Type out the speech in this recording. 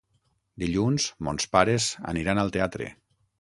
Dilluns mons pares aniran al teatre.